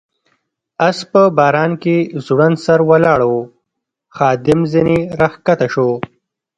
آس په باران کې ځوړند سر ولاړ و، خادم ځنې را کښته شو.